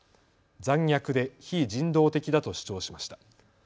残虐で非人道的だと主張しました。